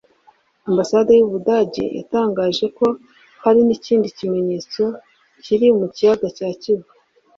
Ambasade y’u Budage yatangaje ko hari n’ikindi kimenyetso kiri mu Kiyaga cya Kivu